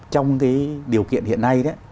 trong cái điều kiện hiện nay